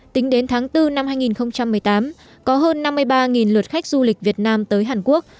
tính đến tháng bốn năm hai nghìn một mươi tám có hơn năm mươi ba lượt khách du lịch việt nam tới hàn quốc